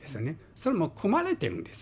そうもう組まれてるんです。